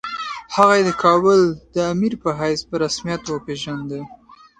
هغه یې د کابل د امیر په حیث په رسمیت وپېژانده.